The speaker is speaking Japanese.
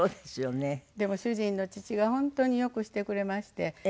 でも主人の父が本当に良くしてくれまして。